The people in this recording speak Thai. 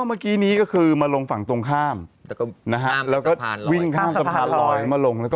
ซั้นดิดอย่างนี้เลย